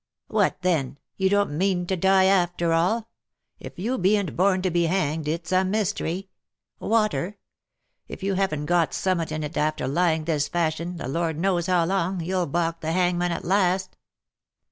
" What, then !— you don't mean to die after all? If you bean't born to be hanged, it's a mystery. Water ?— if you haven't got summut in it after lying this fashion, the Lord knows how long, you'll balk the hangman at last